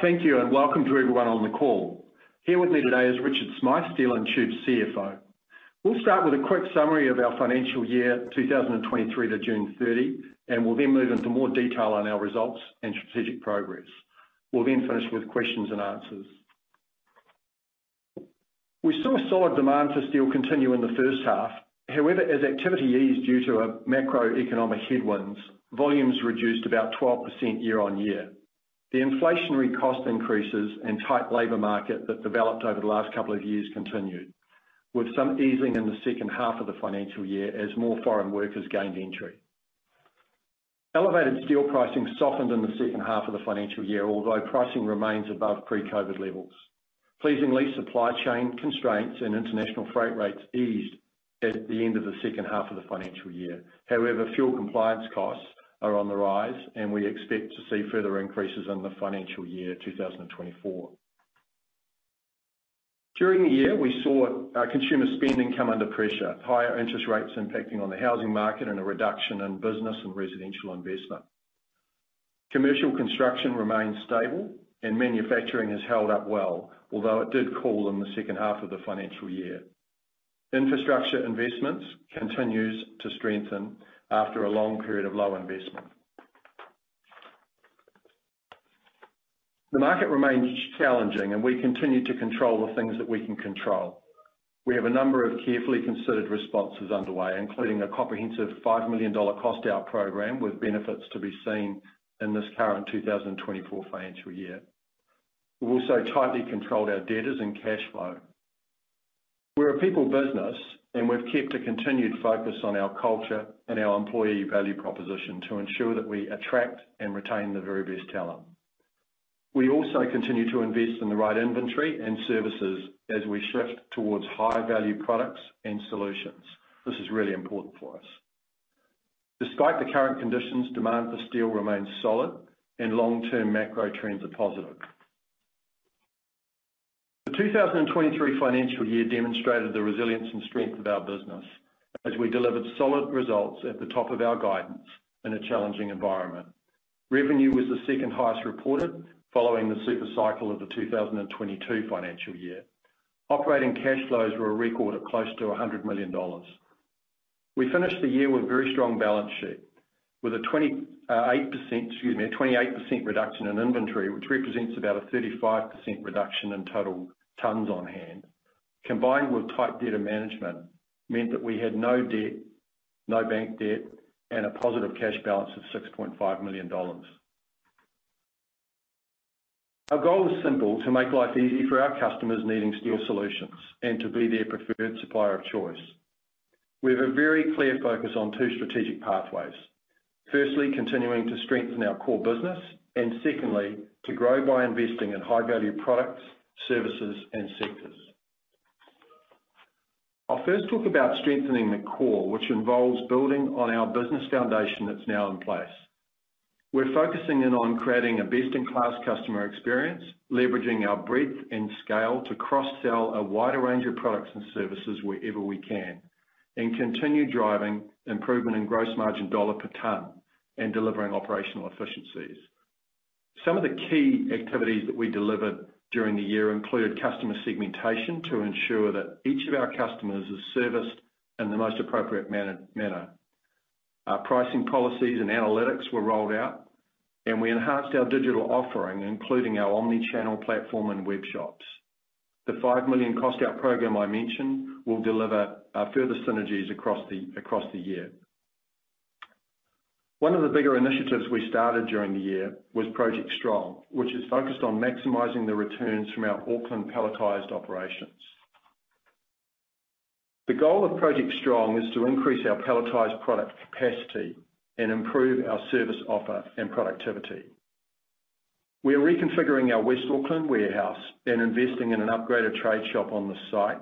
Thank you, and welcome to everyone on the call. Here with me today is Richard Smyth, Steel & Tube's CFO. We'll start with a quick summary of our financial year 2023 to 30 June, and we'll then move into more detail on our results and strategic progress. We'll then finish with questions and answers. We saw a solid demand for steel continue in the H1. However, as activity eased due to macroeconomic headwinds, volumes reduced about 12% year-on-year. The inflationary cost increases and tight labor market that developed over the last couple of years continued, with some easing in the H2 of the financial year as more foreign workers gained entry. Elevated steel pricing softened in the H2 of the financial year, although pricing remains above pre-COVID levels. Pleasingly, supply chain constraints and international freight rates eased at the end of the H2 of the financial year. However, fuel compliance costs are on the rise, and we expect to see further increases in the financial year 2024. During the year, we saw consumer spending come under pressure, higher interest rates impacting on the housing market, and a reduction in business and residential investment. Commercial construction remains stable, and manufacturing has held up well, although it did fall in the H2 of the financial year. Infrastructure investments continues to strengthen after a long period of low investment. The market remains challenging, and we continue to control the things that we can control. We have a number of carefully considered responses underway, including a comprehensive 5 million dollar cost-out program, with benefits to be seen in this current 2024 financial year. We've also tightly controlled our debtors and cash flow. We're a people business, and we've kept a continued focus on our culture and our employee value proposition to ensure that we attract and retain the very best talent. We also continue to invest in the right inventory and services as we shift towards higher-value products and solutions. This is really important for us. Despite the current conditions, demand for steel remains solid, and long-term macro trends are positive. The 2023 financial year demonstrated the resilience and strength of our business as we delivered solid results at the top of our guidance in a challenging environment. Revenue was the second-highest reported, following the super cycle of the 2022 financial year. Operating cash flows were a record at close to 100 million dollars. We finished the year with very strong balance sheet, with a 28%, excuse me, a 28% reduction in inventory, which represents about a 35% reduction in total tons on-hand. Combined with tight data management, meant that we had no debt, no bank debt, and a positive cash balance of 6.5 million dollars. Our goal is simple: to make life easy for our customers needing steel solutions and to be their preferred supplier of choice. We have a very clear focus on two strategic pathways. Firstly, continuing to strengthen our core business and secondly, to grow by investing in high-value products, services, and sectors. I'll first talk about strengthening the core, which involves building on our business foundation that's now in place. We're focusing in on creating a best-in-class customer experience, leveraging our breadth and scale to cross-sell a wider range of products and services wherever we can, and continue driving improvement in gross margin dollar per ton and delivering operational efficiencies. Some of the key activities that we delivered during the year include customer segmentation, to ensure that each of our customers is serviced in the most appropriate manner. Our pricing policies and analytics were rolled out, and we enhanced our digital offering, including our omnichannel platform and web shops. The 5 million cost-out program I mentioned will deliver further synergies across the year. One of the bigger initiatives we started during the year was Project Strong, which is focused on maximizing the returns from our Auckland palletized operations. The goal of Project Strong is to increase our palletized product capacity and improve our service offer and productivity. We are reconfiguring our West Auckland warehouse and investing in an upgraded trade shop on the site.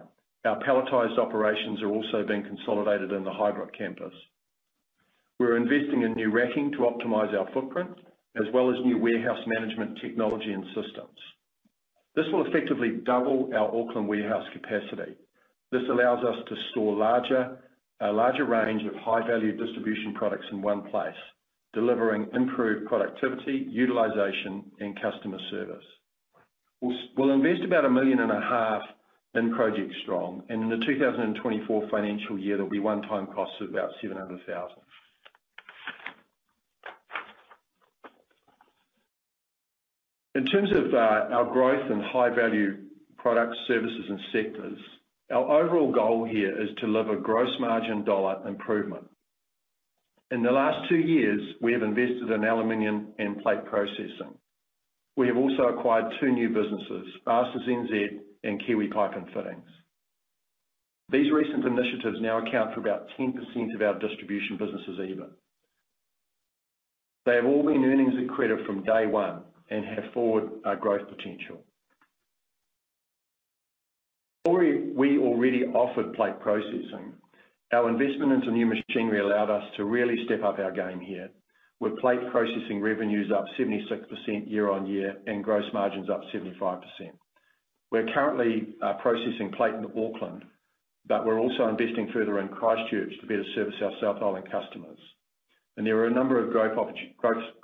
Our palletized operations are also being consolidated in the Highbrook campus. We're investing in new racking to optimize our footprint, as well as new warehouse management technology and systems. This will effectively double our Auckland warehouse capacity. This allows us to store a larger range of high-value distribution products in one place, delivering improved productivity, utilization, and customer service. We'll invest about 1.5 million in Project Strong, and in the 2024 financial year, there'll be one-time costs of about 700,000. In terms of our growth and high-value products, services, and sectors, our overall goal here is to deliver gross margin dollar improvement. In the last 2 years, we have invested in aluminium and plate processing. We have also acquired 2 new businesses, Arcer NZ and Kiwi Pipe & Fittings. These recent initiatives now account for about 10% of our distribution business's EBITDA. They have all been earnings accretive from day 1 and have forward growth potential. Before we already offered plate processing, our investment into new machinery allowed us to really step up our game here, with plate processing revenues up 76% year-on-year and gross margins up 75%. We're currently processing plate in Auckland, but we're also investing further in Christchurch to better service our South Island customers. There are a number of growth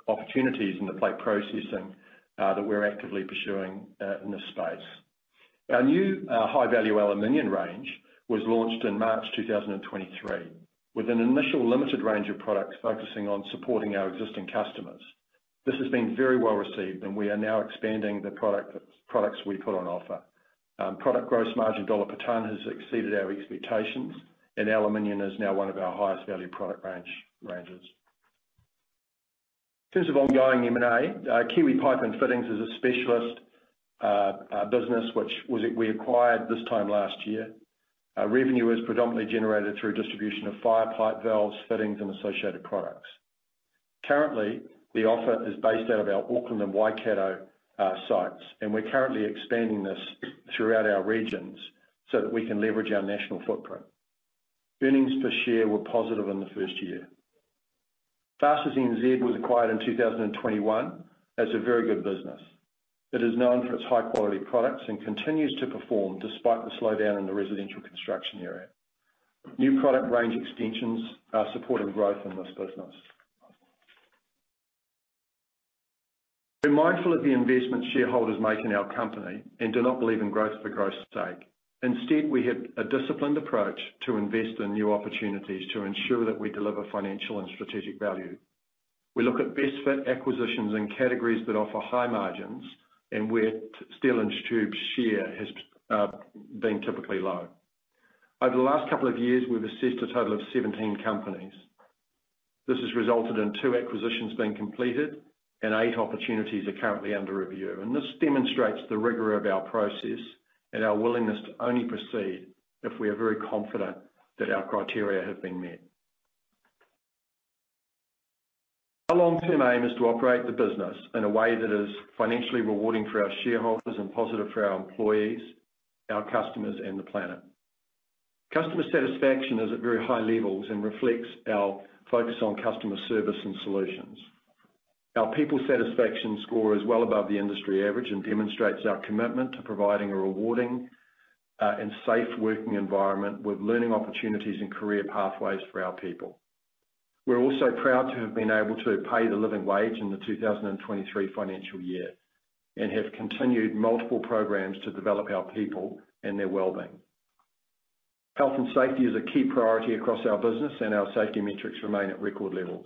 opportunities in the plate processing that we're actively pursuing in this space. Our new high-value aluminium range was launched in March 2023, with an initial limited range of products focusing on supporting our existing customers. This has been very well received, and we are now expanding the products we put on offer. Product gross margin dollar per ton has exceeded our expectations, and aluminium is now one of our highest value product ranges. In terms of ongoing M&A, Kiwi Pipe & Fittings is a specialist business, which we acquired this time last year. Our revenue is predominantly generated through distribution of fire pipe valves, fittings, and associated products. Currently, the offer is based out of our Auckland and Waikato sites, and we're currently expanding this throughout our regions so that we can leverage our national footprint. Earnings per share were positive in the first year. Fasteners NZ was acquired in 2021. That's a very good business. It is known for its high-quality products and continues to perform despite the slowdown in the residential construction area. New product range extensions are supporting growth in this business. We're mindful of the investment shareholders make in our company and do not believe in growth for growth's sake. Instead, we have a disciplined approach to invest in new opportunities to ensure that we deliver financial and strategic value. We look at best-fit acquisitions in categories that offer high margins and where Steel & Tube's share has been typically low. Over the last couple of years, we've assessed a total of 17 companies. This has resulted in 2 acquisitions being completed and 8 opportunities are currently under review. This demonstrates the rigor of our process and our willingness to only proceed if we are very confident that our criteria have been met. Our long-term aim is to operate the business in a way that is financially rewarding for our shareholders and positive for our employees, our customers, and the planet. Customer satisfaction is at very high levels and reflects our focus on customer service and solutions. Our people satisfaction score is well above the industry average and demonstrates our commitment to providing a rewarding and safe working environment, with learning opportunities and career pathways for our people. We're also proud to have been able to pay the living wage in the 2023 financial year, and have continued multiple programs to develop our people and their wellbeing. Health and safety is a key priority across our business, and our safety metrics remain at record levels.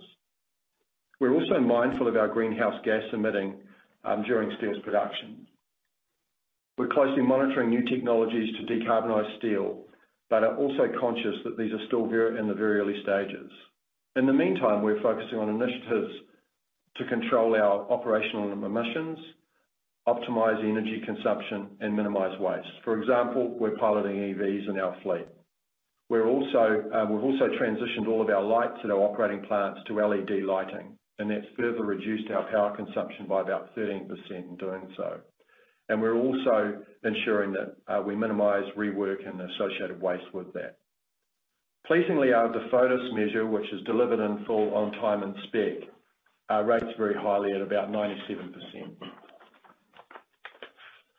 We're also mindful of our greenhouse gas emitting during steel's production. We're closely monitoring new technologies to decarbonize steel, but are also conscious that these are still very, in the very early stages. In the meantime, we're focusing on initiatives to control our operational emissions, optimize energy consumption, and minimize waste. For example, we're piloting EVs in our fleet. We're also, we've also transitioned all of our lights at our operating plants to LED lighting, and that's further reduced our power consumption by about 13% in doing so. We're also ensuring that we minimize rework and the associated waste with that. Pleasingly, our DIFOTIS measure, which is delivered in full on time and spec, rates very highly at about 97%.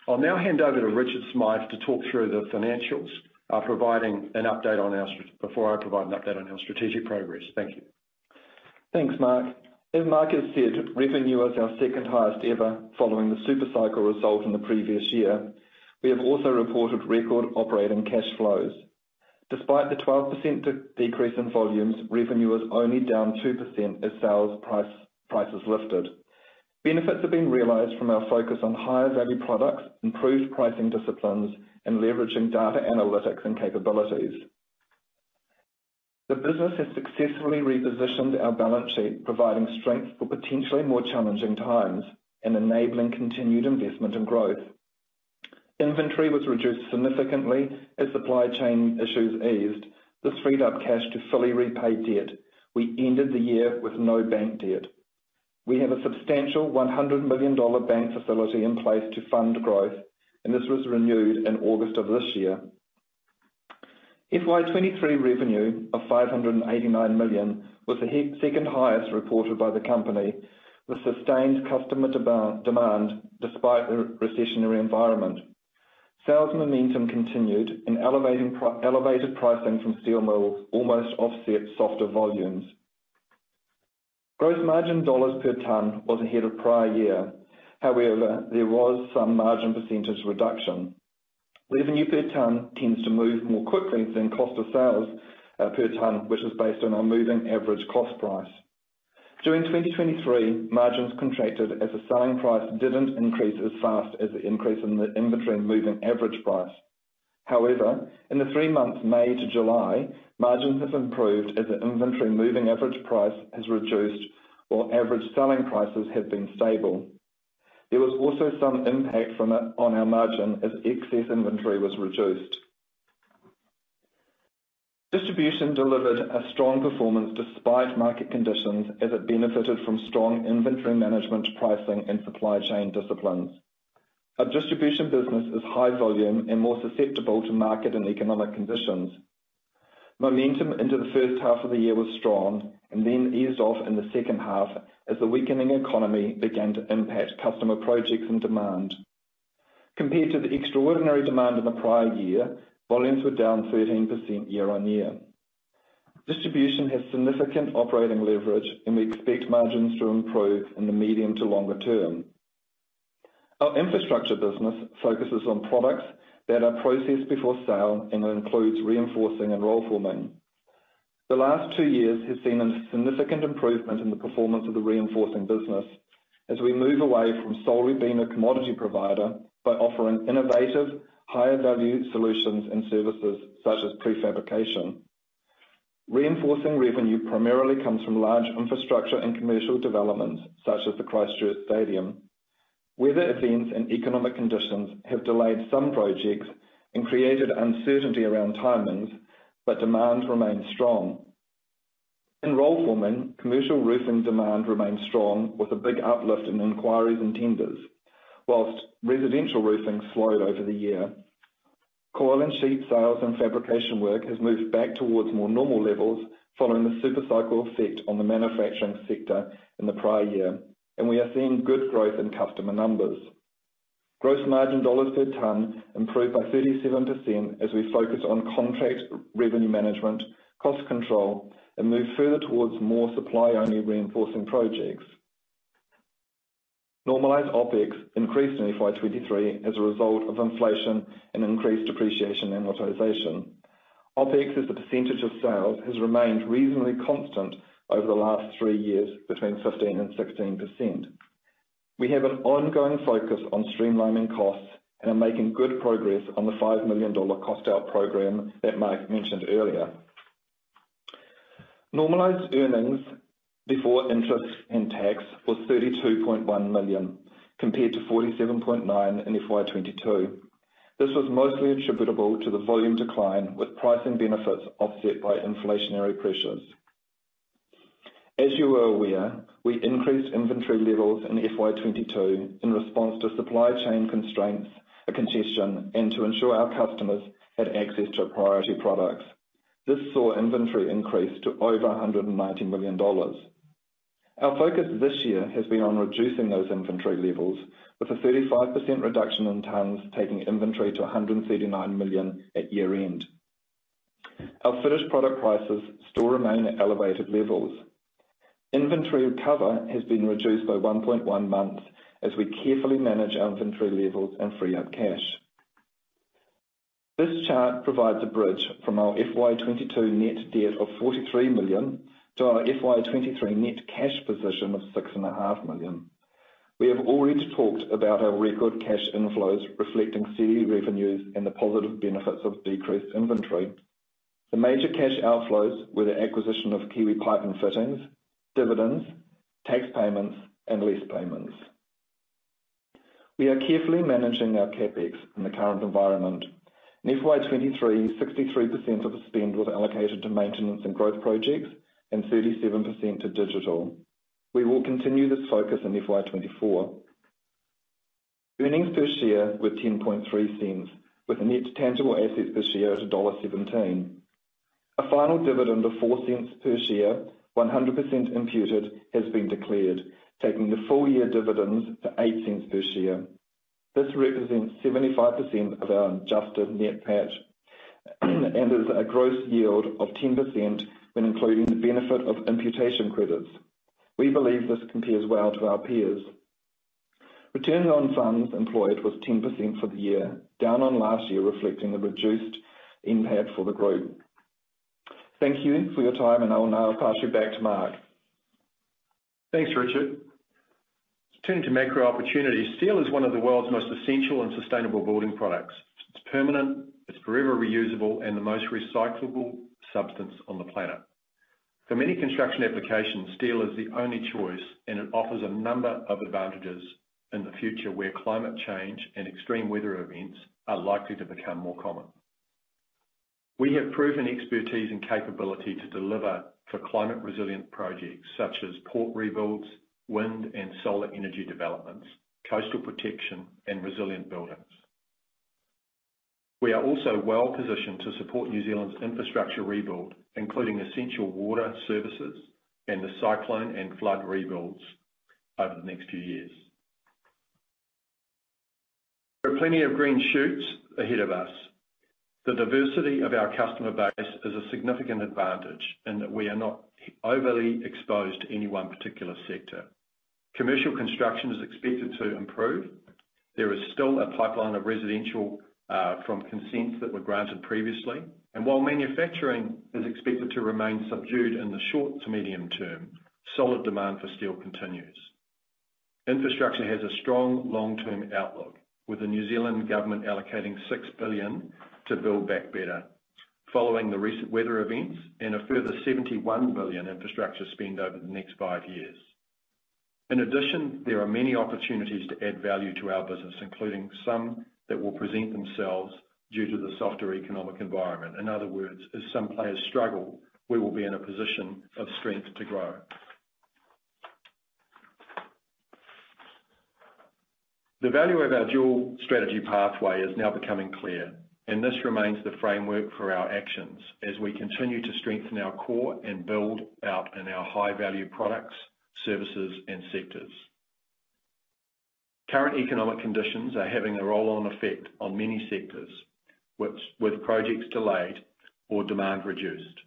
I'll now hand over to Richard Smyth to talk through the financials, providing an update on our str- before I provide an update on our strategic progress. Thank you. Thanks, Mark. As Mark has said, revenue is our second highest ever, following the super cycle result in the previous year. We have also reported record operating cash flows. Despite the 12% decrease in volumes, revenue is only down 2% as sales price, prices lifted. Benefits are being realized from our focus on higher-value products, improved pricing disciplines, and leveraging data analytics and capabilities. The business has successfully repositioned our balance sheet, providing strength for potentially more challenging times and enabling continued investment and growth. Inventory was reduced significantly as supply chain issues eased. This freed up cash to fully repay debt. We ended the year with no bank debt. We have a substantial 100 million dollar bank facility in place to fund growth, and this was renewed in August of this year. FY23 revenue of 589 million was the second highest reported by the company, with sustained customer demand despite the recessionary environment. Sales momentum continued, elevated pricing from steel mills almost offset softer volumes. gross margin dollar per ton was ahead of prior year. However, there was some margin percentage reduction. Revenue per ton tends to move more quickly than cost of sales per ton, which is based on our moving average cost price. During 2023, margins contracted as the selling price didn't increase as fast as the increase in the inventory moving average price. However, in the three months May to July, margins have improved as the inventory moving average price has reduced or average selling prices have been stable. There was also some impact from it, on our margin as excess inventory was reduced. Distribution delivered a strong performance despite market conditions, as it benefited from strong inventory management, pricing, and supply chain disciplines. Our distribution business is high volume and more susceptible to market and economic conditions. Momentum into the H1 of the year was strong and then eased off in the H2 as the weakening economy began to impact customer projects and demand. Compared to the extraordinary demand in the prior year, volumes were down 13% year-on-year. Distribution has significant operating leverage, and we expect margins to improve in the medium to longer term. Our infrastructure business focuses on products that are processed before sale, and includes reinforcing and rollforming. The last two years have seen a significant improvement in the performance of the reinforcing business as we move away from solely being a commodity provider by offering innovative, higher value solutions and services, such as prefabrication. Reinforcing revenue primarily comes from large infrastructure and commercial developments, such as the Christchurch Stadium. Weather events and economic conditions have delayed some projects and created uncertainty around timings. Demand remains strong. In rollforming, commercial roofing demand remains strong, with a big uplift in inquiries and tenders, whilst residential roofing slowed over the year. Coil and sheet sales and fabrication work has moved back towards more normal levels, following the super cycle effect on the manufacturing sector in the prior year, and we are seeing good growth in customer numbers. Gross margin dollar per ton improved by 37% as we focus on contract revenue management, cost control, and move further towards more supply-only reinforcing projects. Normalized OPEX increased in FY23 as a result of inflation and increased depreciation and amortization. OPEX, as a percentage of sales, has remained reasonably constant over the last 3 years, between 15% and 16%. We have an ongoing focus on streamlining costs and are making good progress on the 5 million dollar cost out program that Mark mentioned earlier. Normalized earnings before interest and tax was 32.1 million, compared to 47.9 million in FY22. This was mostly attributable to the volume decline, with pricing benefits offset by inflationary pressures. As you are aware, we increased inventory levels in FY22 in response to supply chain constraints, a congestion, and to ensure our customers had access to priority products. This saw inventory increase to over 190 million dollars. Our focus this year has been on reducing those inventory levels, with a 35% reduction in tons, taking inventory to 139 million at year-end. Our finished product prices still remain at elevated levels. Inventory cover has been reduced by 1.1 months, as we carefully manage our inventory levels and free up cash. This chart provides a bridge from our FY22 net debt of 43 million to our FY23 net cash position of 6.5 million. We have already talked about our record cash inflows, reflecting steady revenues and the positive benefits of decreased inventory. The major cash outflows were the acquisition of Kiwi Pipe & Fittings, dividends, tax payments, and lease payments. We are carefully managing our CapEx in the current environment. In FY23, 63% of the spend was allocated to maintenance and growth projects, and 37% to digital. We will continue this focus in FY24. Earnings per share were 0.103, with net tangible assets per share at dollar 1.17. A final dividend of 0.04 per share, 100% imputed, has been declared, taking the full year dividends to 0.08 per share. This represents 75% of our adjusted net PAT, and is a gross yield of 10% when including the benefit of imputation credits. We believe this compares well to our peers. Return on Funds Employed was 10% for the year, down on last year, reflecting the reduced impact for the group. Thank you for your time, and I will now pass you back to Mark. Thanks, Richard. Turning to macro opportunities, steel is one of the world's most essential and sustainable building products. It's permanent, it's forever reusable, and the most recyclable substance on the planet. For many construction applications, steel is the only choice, and it offers a number of advantages in the future, where climate change and extreme weather events are likely to become more common. We have proven expertise and capability to deliver for climate resilient projects such as port rebuilds, wind and solar energy developments, coastal protection, and resilient buildings. We are also well positioned to support New Zealand's infrastructure rebuild, including essential water services and the cyclone and flood rebuilds over the next few years. There are plenty of green shoots ahead of us. The diversity of our customer base is a significant advantage, in that we are not overly exposed to any one particular sector. Commercial construction is expected to improve. There is still a pipeline of residential from consents that were granted previously, and while manufacturing is expected to remain subdued in the short to medium term, solid demand for steel continues. Infrastructure has a strong long-term outlook, with the New Zealand Government allocating 6 billion to build back better, following the recent weather events, and a further 71 billion infrastructure spend over the next five years. In addition, there are many opportunities to add value to our business, including some that will present themselves due to the softer economic environment. In other words, as some players struggle, we will be in a position of strength to grow. The value of our dual strategy pathway is now becoming clear, and this remains the framework for our actions as we continue to strengthen our core and build out in our high-value products.... services, and sectors. Current economic conditions are having a roll-on effect on many sectors, which, with projects delayed or demand reduced.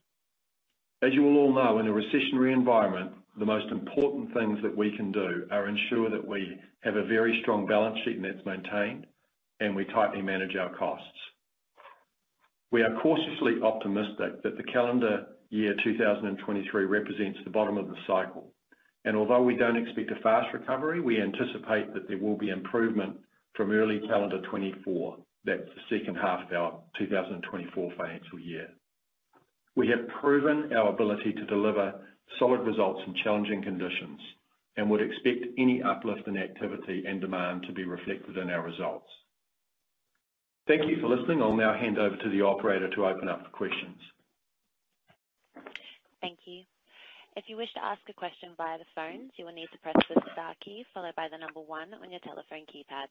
As you all know, in a recessionary environment, the most important things that we can do are ensure that we have a very strong balance sheet, and that's maintained, and we tightly manage our costs. We are cautiously optimistic that the calendar year 2023 represents the bottom of the cycle, and although we don't expect a fast recovery, we anticipate that there will be improvement from early calendar 2024. That's the H2 of our 2024 financial year. We have proven our ability to deliver solid results in challenging conditions and would expect any uplift in activity and demand to be reflected in our results. Thank you for listening. I'll now hand over to the operator to open up for questions. Thank you. If you wish to ask a question via the phone, you will need to press the star key followed by the number one on your telephone keypad.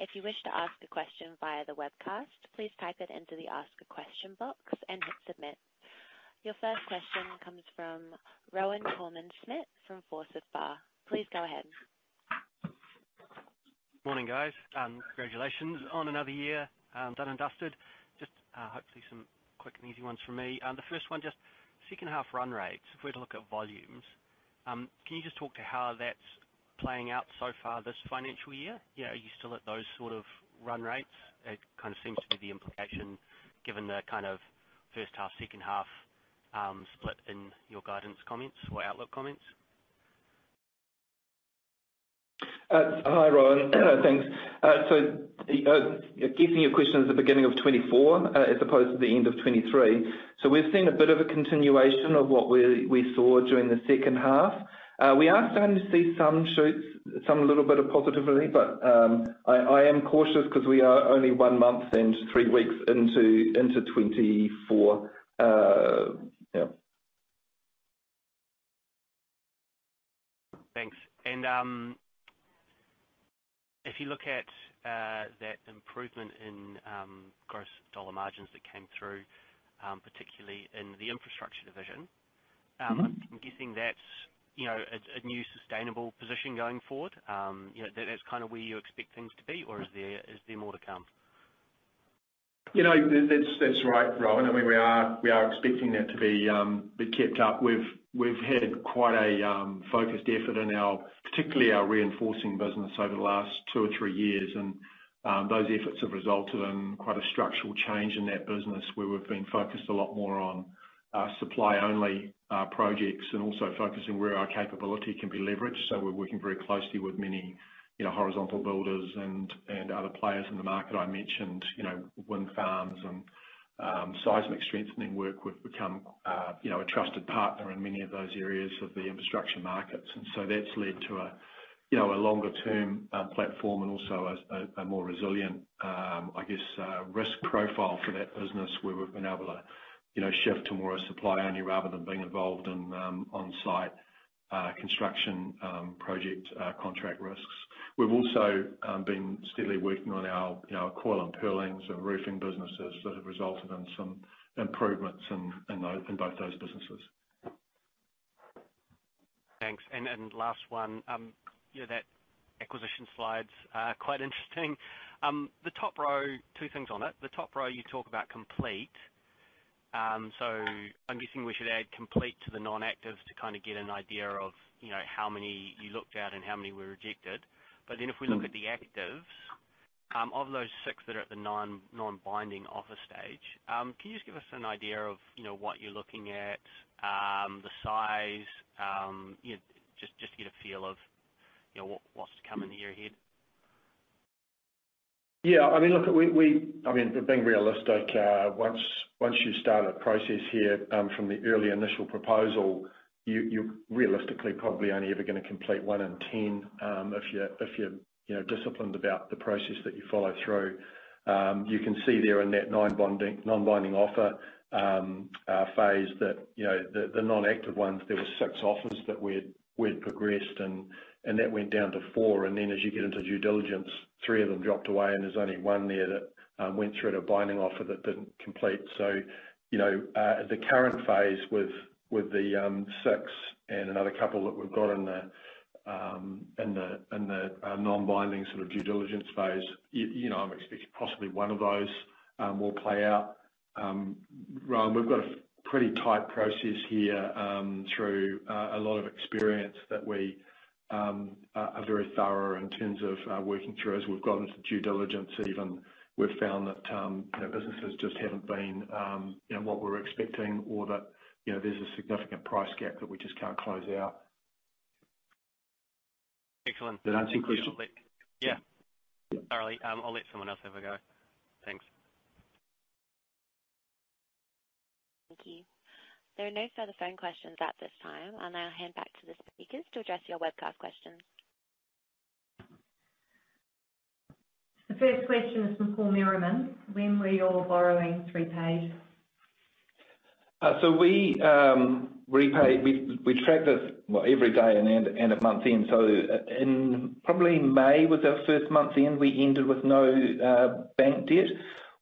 If you wish to ask a question via the webcast, please type it into the Ask a Question box and hit Submit. Your first question comes from Rohan Koreman-Smit, from Forsyth Barr. Please go ahead. Morning, guys, congratulations on another year, done and dusted. Just, hopefully some quick and easy ones for me. The first one, just H2 run rates. If we're to look at volumes, can you just talk to how that's playing out so far this financial year? Yeah, are you still at those sort of run rates? It kind of seems to be the implication, given the kind of H1, H2, split in your guidance comments or outlook comments. Hi, Rohan. Thanks. Guessing your question is the beginning of 2024, as opposed to the end of 2023. We've seen a bit of a continuation of what we, we saw during the H2. We are starting to see some shoots, some little bit of positivity, but, I, I am cautious 'cause we are only one month and three weeks into, into 2024. Yeah. Thanks. If you look at that improvement in gross dollar margins that came through, particularly in the infrastructure division, I'm guessing that's, you know, a new sustainable position going forward? You know, that's kind of where you expect things to be, or is there, is there more to come? You know, that's, that's right, Rohan. I mean, we are, we are expecting that to be kept up. We've, we've had quite a focused effort in our, particularly our reinforcing business over the last two or three years. Those efforts have resulted in quite a structural change in that business, where we've been focused a lot more on our supply-only projects and also focusing where our capability can be leveraged. We're working very closely with many, you know, horizontal builders and, and other players in the market. I mentioned, you know, wind farms and seismic strengthening work. We've become, you know, a trusted partner in many of those areas of the infrastructure markets. So that's led to a, you know, a longer-term platform and also a, a, a more resilient, I guess, risk profile for that business, where we've been able to, you know, shift to more a supply only rather than being involved in on-site construction project contract risks. We've also been steadily working on our, you know, coil and purlins and roofing businesses that have resulted in some improvements in, in those, in both those businesses. Thanks. Last one, you know, that acquisition slides are quite interesting. The top row, two things on it. The top row, you talk about complete. I'm guessing we should add complete to the non-actives to kind of get an idea of, you know, how many you looked at and how many were rejected. Then if we look at the actives, of those six that are at the non, non-binding offer stage, can you just give us an idea of, you know, what you're looking at, the size, you know, just, just to get a feel of, you know, what, what's to come in the year ahead? Yeah, I mean, look, we, we-- I mean, being realistic, once, once you start a process here, from the early initial proposal, you, you realistically probably only ever gonna complete 1 in 10. If you're, if you're, you know, disciplined about the process that you follow through. You can see there in that non-binding, non-binding offer, phase, that, you know, the, the non-active ones, there were 6 offers that we'd, we'd progressed and, and that went down to 4. Then as you get into due diligence, 3 of them dropped away, and there's only 1 there that went through to a binding offer that didn't complete. You know, the current phase with, with the 6 and another couple that we've got in the, in the, in the non-binding sort of due diligence phase, you know, I'm expecting possibly one of those will play out. Rohan, we've got a pretty tight process here, through a lot of experience that we are, are very thorough in terms of working through. As we've gone into due diligence even, we've found that, you know, businesses just haven't been, you know, what we're expecting or that, you know, there's a significant price gap that we just can't close out. Excellent. Did that answer your question? Yeah. Sorry. I'll let someone else have a go. Thanks. Thank you. There are no further phone questions at this time. I'll now hand back to the speakers to address your webcast questions. The first question is from Paul Merriman: When were your borrowings repaid? We repay, we track this, well, every day and end of month end. In probably May was our first month end, we ended with no bank debt.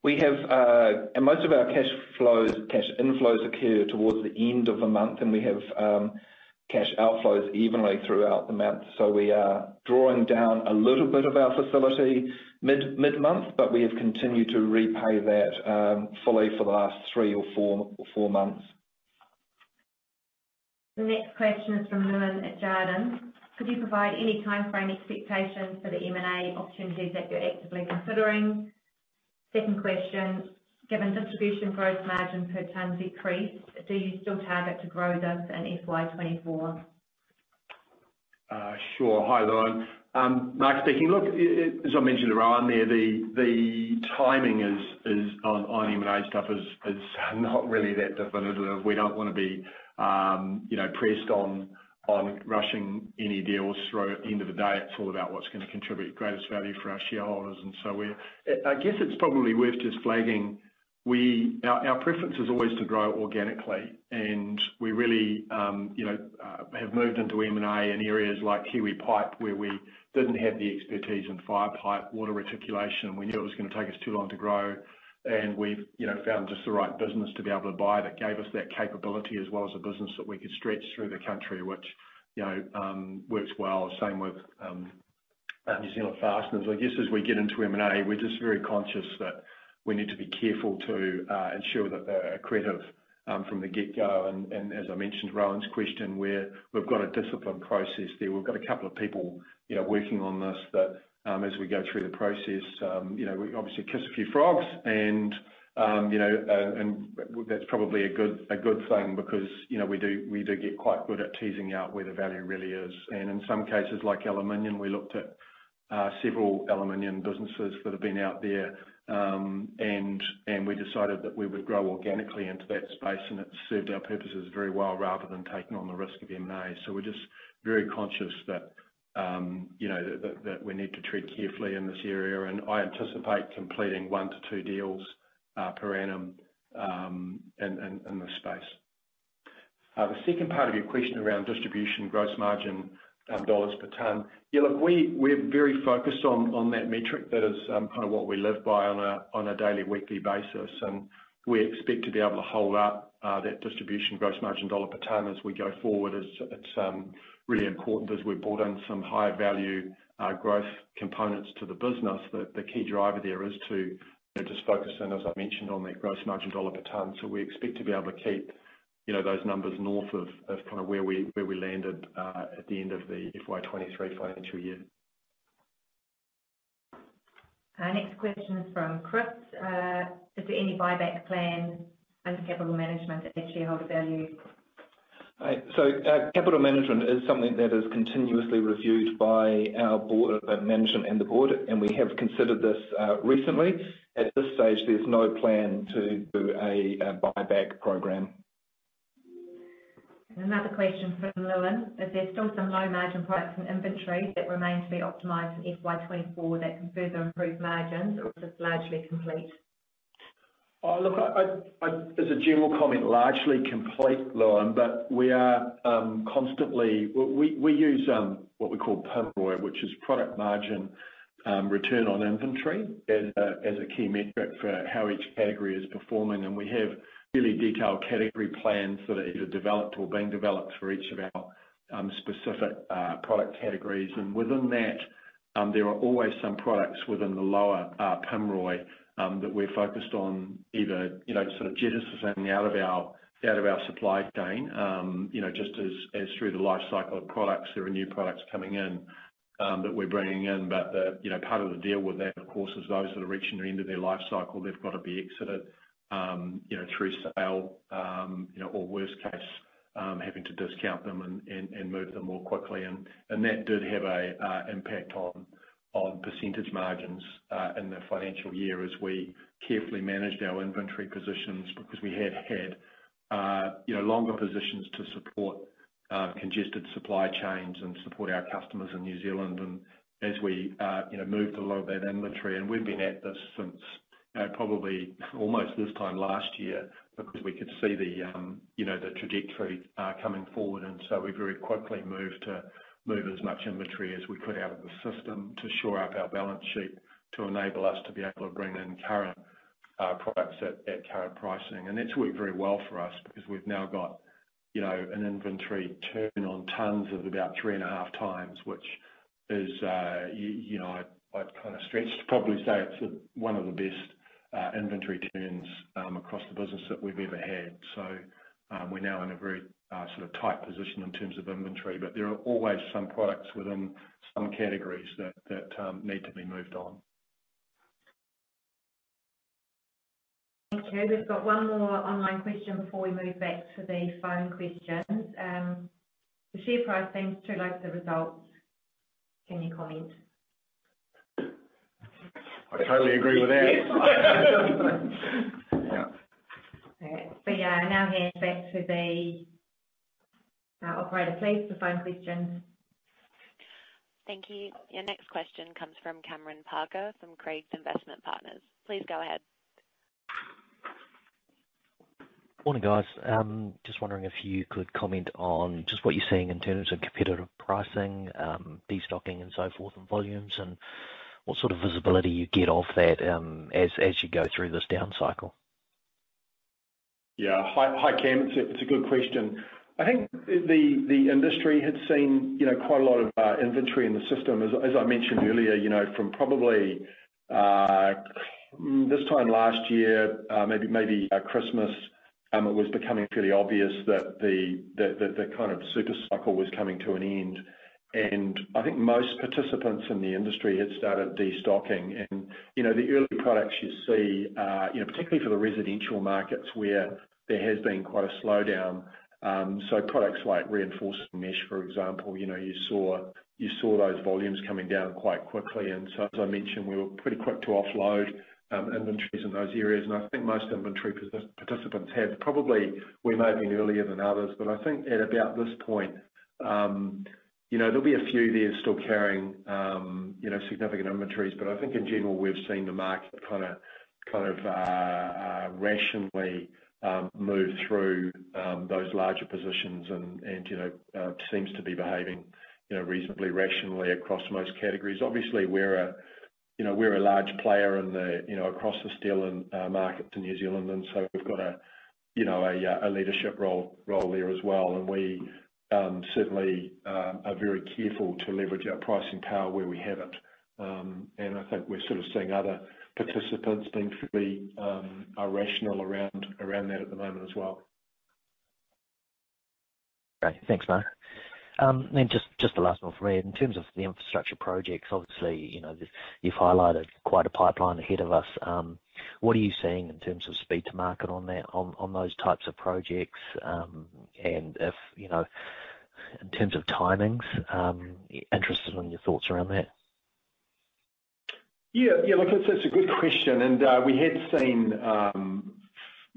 We have, and most of our cash flows, cash inflows occur towards the end of the month, and we have cash outflows evenly throughout the month. We are drawing down a little bit of our facility mid-month, but we have continued to repay that fully for the last three or four months. The next question is from Lewin at Jarden: 'Could you provide any timeframe expectations for the M&A opportunities that you're actively considering?' Second question: 'Given distribution gross margin per ton decreased, do you still target to grow this in FY24?' Sure. Hi, Lewin. Mark speaking. Look, as I mentioned to Rohan there, the, the timing is, is on, on M&A stuff is, is not really that definitive. We don't want to be, you know, pressed on, on rushing any deals through. At the end of the day, it's all about what's going to contribute greatest value for our shareholders. I guess it's probably worth just flagging, our preference is always to grow organically, and we really, you know, have moved into M&A in areas like Kiwi Pipe, where we didn't have the expertise in fire pipe, water reticulation. We knew it was going to take us too long to grow, and we've, you know, found just the right business to be able to buy that gave us that capability as well as a business that we could stretch through the country, which, you know, works well. Same with New Zealand Fasteners. I guess, as we get into M&A, we're just very conscious that we need to be careful to ensure that they're accretive from the get-go. As I mentioned to Rohan's question, we've got a disciplined process there. We've got a couple of people, you know, working on this, that, as we go through the process, you know, we obviously kiss a few frogs and, you know, and that's probably a good, a good thing because, you know, we do, we do get quite good at teasing out where the value really is. In some cases, like aluminium, we looked at, several aluminium businesses that have been out there, and, and we decided that we would grow organically into that space, and it's served our purposes very well rather than taking on the risk of M&A. We're just very conscious that, you know, that, that we need to tread carefully in this area, and I anticipate completing 1 to 2 deals, per annum, in, in, in this space. The second part of your question around distribution gross margin, dollars per ton. Yeah, look, we're very focused on, on that metric. That is, kind of what we live by on a, on a daily, weekly basis, and we expect to be able to hold up that distribution gross margin dollar per ton as we go forward. It's, it's really important as we brought in some higher value growth components to the business, that the key driver there is to, you know, just focus in, as I mentioned, on that gross margin dollar per ton. We expect to be able to keep, you know, those numbers north of, of kind of where we, where we landed at the end of the FY23 financial year. Our next question is from Chris. 'Is there any buyback plan under capital management and shareholder value?' Capital management is something that is continuously reviewed by our board, management and the board, and we have considered this recently. At this stage, there's no plan to do a buyback program. Another question from Lewin: 'Is there still some low-margin products and inventory that remain to be optimized in FY24 that can further improve margins or is this largely complete?' Oh, look, I, I, I... As a general comment, largely complete, Lewin, but we are constantly... we, we use what we call PMROI, which is Product Margin, Return On Inventory, as a key metric for how each category is performing. We have really detailed category plans that are either developed or being developed for each of our specific product categories. Within that, there are always some products within the lower PMROI that we're focused on, either, you know, sort of jettisoning out of our, out of our supply chain. You know, just as, as through the life cycle of products, there are new products coming in that we're bringing in. The, you know, part of the deal with that, of course, is those that are reaching the end of their life cycle, they've got to be exited, you know, through sale, you know, or worst case, having to discount them and, and, and move them more quickly. That did have a impact on percentage margins in the financial year as we carefully managed our inventory positions, because we had had, you know, longer positions to support congested supply chains and support our customers in New Zealand. As we, you know, moved a lot of that inventory, and we've been at this since, probably almost this time last year, because we could see the, you know, the trajectory coming forward. We very quickly moved to move as much inventory as we could out of the system to shore up our balance sheet, to enable us to be able to bring in current products at current pricing. That's worked very well for us because we've now got, you know, an inventory turn on tons of about 3.5 times, which is, you know, I'd kind of stretch to probably say it's one of the best inventory turns across the business that we've ever had. We're now in a very sort of tight position in terms of inventory, but there are always some products within some categories that need to be moved on. Thank you. We've got one more online question before we move back to the phone questions. The share price seems to like the results. Any comment? I totally agree with that. Yeah. Yeah, now heading back to the operator, please, for phone questions. Thank you. Your next question comes from Cameron Parker from Craigs Investment Partners. Please go ahead. Morning, guys. Just wondering if you could comment on just what you're seeing in terms of competitive pricing, destocking and so forth, and volumes, and what sort of visibility you get off that, as, as you go through this down cycle? Yeah. Hi, hi, Cam. It's a good question. I think the industry had seen, you know, quite a lot of inventory in the system. As I mentioned earlier, you know, from probably this time last year, maybe at Christmas, it was becoming fairly obvious that the kind of super cycle was coming to an end, and I think most participants in the industry had started destocking. You know, the early products you see, you know, particularly for the residential markets, where there has been quite a slowdown. So products like reinforced mesh, for example, you know, you saw those volumes coming down quite quickly. So, as I mentioned, we were pretty quick to offload inventories in those areas. I think most inventory participants have. Probably, we may have been earlier than others. I think at about this point, you know, there'll be a few there still carrying, you know, significant inventories. I think in general, we've seen the market kind of rationally move through those larger positions and, you know, seems to be behaving, you know, reasonably, rationally across most categories. Obviously, we're a, you know, we're a large player in the, you know, across the Steel & Tube market to New Zealand. We've got a, you know, a leadership role there as well. We certainly are very careful to leverage our pricing power where we have it. I think we're sort of seeing other participants being fairly are rational around that at the moment as well. Great. Thanks, mate. Just, just the last one I'll read. In terms of the infrastructure projects, obviously, you know, you've highlighted quite a pipeline ahead of us. What are you seeing in terms of speed to market on that, on those types of projects? If, you know, in terms of timings, interested on your thoughts around that. Yeah, yeah, look, it's, it's a good question, and we had seen,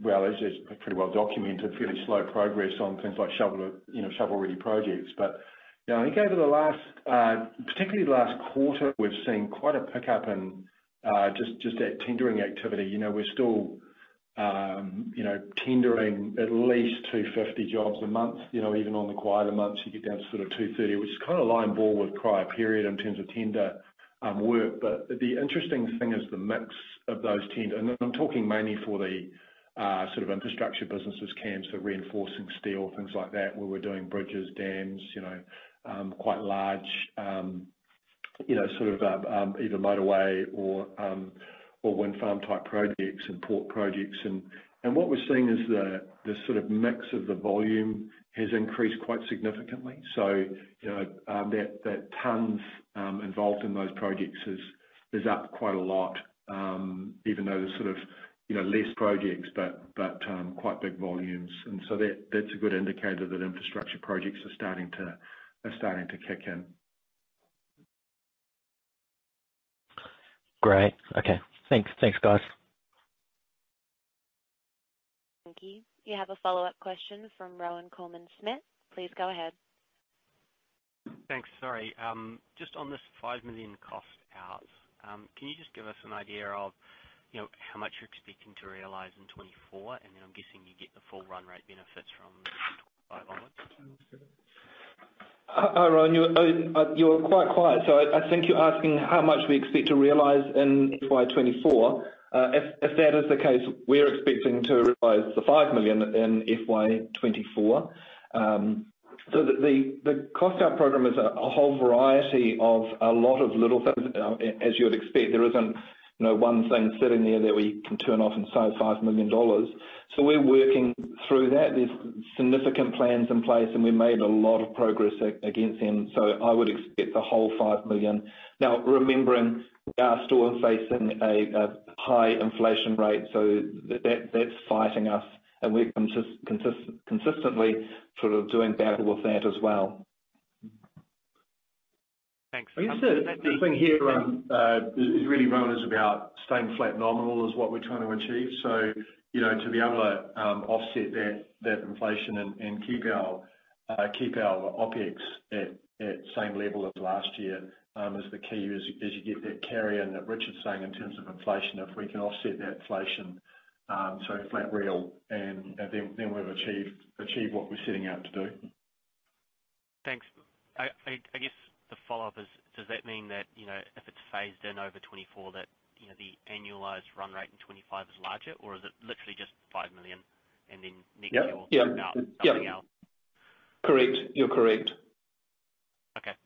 well, it's, it's pretty well documented, fairly slow progress on things like shovel, you know, shovel-ready projects. You know, I think over the last, particularly the last quarter, we've seen quite a pickup in just, just that tendering activity. You know, we're still, you know, tendering at least 250 jobs a month. You know, even on the quieter months, you get down to sort of 230, which is kind of line ball with prior period in terms of tender work. The interesting thing is the mix of those tender. I'm talking mainly for the sort of infrastructure businesses, Cam, so reinforcing steel, things like that, where we're doing bridges, dams, you know, quite large, you know, sort of, either motorway or wind farm-type projects and port projects. What we're seeing is the sort of mix of the volume has increased quite significantly. You know, that, that tons involved in those projects is up quite a lot, even though there's sort of, you know, less projects but, but, quite big volumes. That's a good indicator that infrastructure projects are starting to, are starting to kick in. Great. Okay. Thanks. Thanks, guys. Thank you. You have a follow-up question from Rohan Koreman-Smit. Please go ahead. Thanks. Sorry, just on this 5 million cost out, can you just give us an idea of, you know, how much you're expecting to realize in FY24? Then I'm guessing you get the full run rate benefits from FY25 onwards. Rowan, you're quite quiet, so I, I think you're asking how much we expect to realize in FY24. If that is the case, we're expecting to realize the 5 million in FY24. So the cost out program is a whole variety of a lot of little things. As you would expect, there isn't, you know, one thing sitting there that we can turn off and save 5 million dollars. We're working through that. There's significant plans in place, and we made a lot of progress against them, so I would expect the whole 5 million. Now, remembering, we are still facing a high inflation rate, so that's fighting us, and we're consistently sort of doing battle with that as well. Thanks. I guess the, the thing here, is really, Rowan, is about staying flat nominal, is what we're trying to achieve. You know, to be able to offset that, that inflation and, and keep our keep our OPEX at same level as last year, is the key. As you get that carry in, that Richard's saying, in terms of inflation, if we can offset that inflation, so flat real, and then, then we've achieved, achieved what we're setting out to do. Thanks. I guess the follow-up is: Does that mean that, you know, if it's phased in over 2024, that, you know, the annualized run rate in 2025 is larger, or is it literally just 5 million and then-? Yeah. Yeah. something else? Correct. You're correct. Okay, thank you.